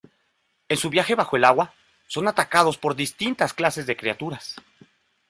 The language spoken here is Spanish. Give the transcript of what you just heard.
En su viaje bajo el agua, son atacados por distintas clases de criaturas.